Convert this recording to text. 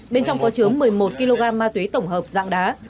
bên trong có chứa một mươi một kg ma túy tổng hợp dạng đá